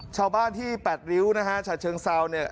ชาวบ้านที่แปดริ้วนะฮะฉะเชิงเซาเนี่ย